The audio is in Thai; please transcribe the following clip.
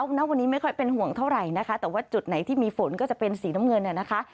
ณวันนี้ไม่ค่อยเป็นห่วงเท่าไหร่นะคะแต่ว่าจุดไหนที่มีฝนก็จะเป็นสีน้ำเงินเนี่ยนะคะ